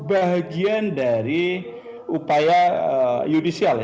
bahagian dari upaya yudisial